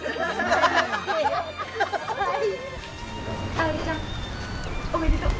愛織ちゃんおめでとう。